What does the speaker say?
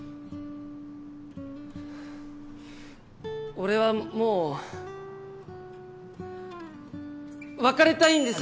俺はもう別れたいんです。